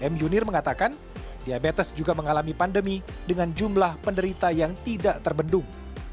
m yunir mengatakan diabetes juga mengalami pandemi dengan jumlah penderita yang tidak terbendung